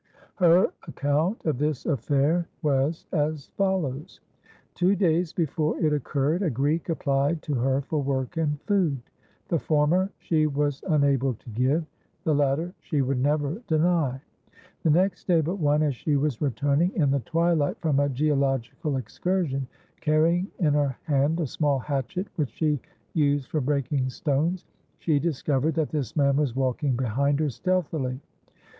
Her account of this affair was as follows: Two days before it occurred, a Greek applied to her for work and food. The former she was unable to give; the latter she would never deny. The next day but one, as she was returning in the twilight from a geological excursion, carrying in her hand a small hatchet which she used for breaking stones, she discovered that this man was walking behind her stealthily.